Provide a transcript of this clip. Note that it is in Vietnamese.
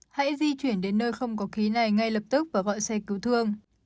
hãy di chuyển đến nơi không có khí này ngay lập tức và gọi xe cứu thương